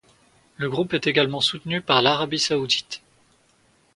Le groupe est également soutenu par l'Arabie saoudite.